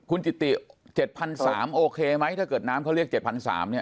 คุณจิติ๗๓๐๐โอเคไหมถ้าเกิดน้ำเขาเรียก๗๓๐๐เนี่ย